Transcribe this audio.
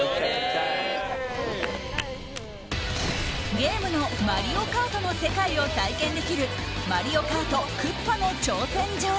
ゲームの「マリオカート」の世界を体験できるマリオカートクッパの挑戦状。